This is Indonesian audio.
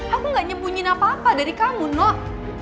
aku gak nyebunyin apa apa dari kamu nek